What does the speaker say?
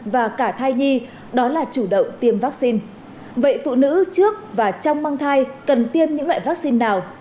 vậy phụ nữ trước và trong mang thai cần tiêm những loại vaccine nào